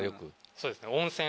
そうですね。